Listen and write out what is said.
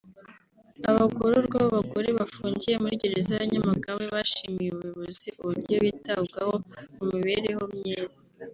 Abagororwa b’abagore bafungiye muri gereza ya Nyamagabe bashimiye ubuyobozi uburyo bitabwaho mu mibereho myiza